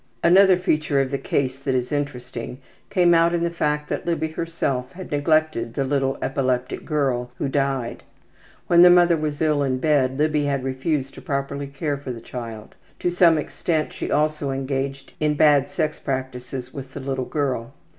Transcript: Another feature of the case that is interesting came out in the fact that Libby herself had neglected the little epileptic girl who died. When the mother was ill in bed Libby had refused to properly care for the child. To some extent she also engaged in bad sex practices with the little girl.